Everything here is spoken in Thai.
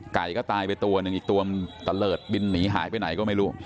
ไก่ก็ตายไปตัวหนึ่งอีกตัวมันตะเลิศบินหนีหายไปไหนก็ไม่รู้